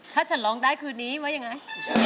ถ้าฉันร้องได้คืนนี้ไว้ยังไง